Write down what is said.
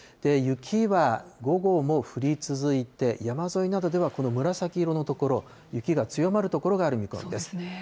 雪は午後も降り続いて、山沿いなどではこの紫色の所、雪が強まる所がある見込みです。